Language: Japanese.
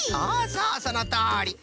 そうそうそのとおり。